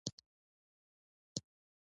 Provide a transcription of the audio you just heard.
د پښتنو په کلتور کې د قربانۍ ورکول اسانه دي.